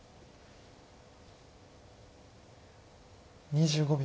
２５秒。